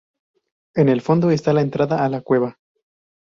En el fondo está la entrada a la cueva.